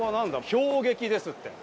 氷撃ですって。